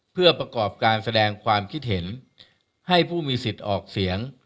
เพื่อประกอบการแสดงความคิดเห็นให้ผู้มีสิทธิ์ออกเสียง